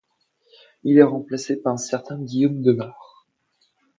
Il est remplacé par un certain Guillaume De Marre.